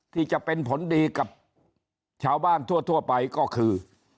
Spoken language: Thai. ที่จะเป็นผลดีกับชาวบ้านทั่วไปก็คือ